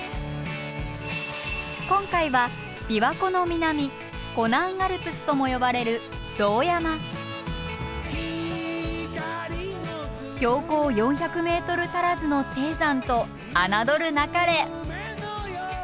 今回は琵琶湖の南湖南アルプスとも呼ばれる標高４００ｍ足らずの低山と侮るなかれ。